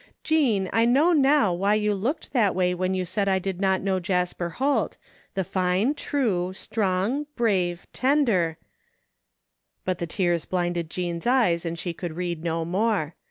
" Jean, I know now why you looked that way when you said I did not know Jasper Holt — ^the fine, true, strong, brave, tender But the tears blinded Jean's eyes and she could read no more.